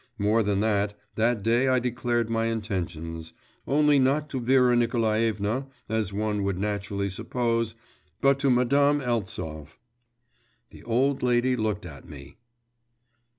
More than that; that day I declared my intentions; only not to Vera Nikolaevna, as one would naturally suppose, but to Madame Eltsov. The old lady looked at me.